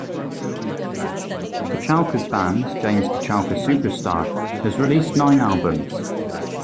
Kochalka's band, James Kochalka Superstar, has released nine albums.